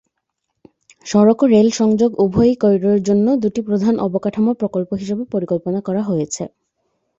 সড়ক ও রেল সংযোগ উভয়ই করিডোরের জন্য দুটি প্রধান অবকাঠামো প্রকল্প হিসাবে পরিকল্পনা করা হয়েছে।